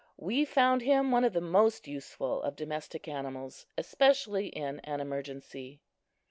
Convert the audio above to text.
We found him one of the most useful of domestic animals, especially in an emergency.